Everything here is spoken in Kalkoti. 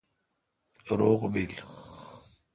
روغ بیل